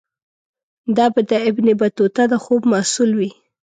دا به د ابن بطوطه د خوب محصول وي.